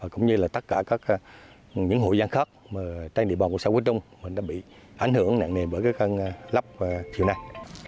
cũng như là tất cả các những hội gian khác tay địa bò của xã quế trung đã bị ảnh hưởng nạn nền bởi các lấp chiều này